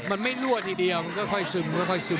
มันไม่รั่วทีเดียวมันก็ค่อยซึม